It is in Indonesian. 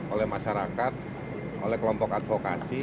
oleh masyarakat oleh kelompok advokasi